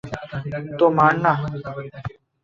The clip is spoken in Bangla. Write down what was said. তো মার না।